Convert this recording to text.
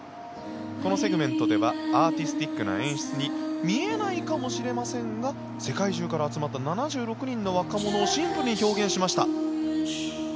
このセグメントではアーティスティックな演出に見えないかもしれませんが世界中から集まった７６人の若者をシンプルに表現しました。